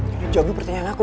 ini jawab pertanyaan aku